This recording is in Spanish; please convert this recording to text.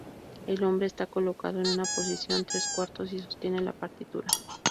El hombre está colocado en una posición tres cuartos y sostiene la partitura.